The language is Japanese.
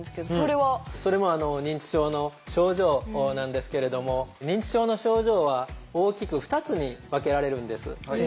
それも認知症の症状なんですけれども認知症の症状は大きく２つに分けられるんです。